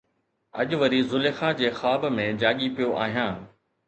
اڄ وري زليخا جي خواب ۾ جاڳي پيو آهيان